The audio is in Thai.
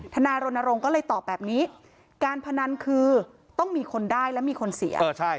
นายรณรงค์ก็เลยตอบแบบนี้การพนันคือต้องมีคนได้และมีคนเสีย